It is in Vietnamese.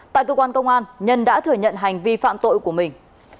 tại cơ quan công an nhân đã thừa nhận hành vi phạm tội của mình